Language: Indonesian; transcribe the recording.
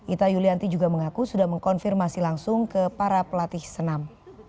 ita yulianti juga mengaku sudah mengkonfirmasi langsung ke para pelatih senam